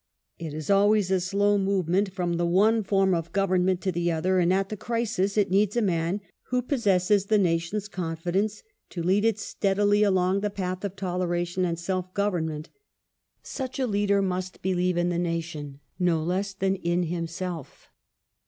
It is always a slow movement from the 4 A PROBLEM FOR THE STEWARTS. one form of government to the other, and at the crisis it needs a man who possesses the nation's confidence to lead it steadily along the path of toleration and self government. Such a leader must believe i'n the nation no less than in himself.